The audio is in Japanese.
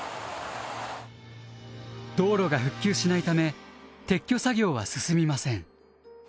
道路が復旧しないため撤去作業は進みません。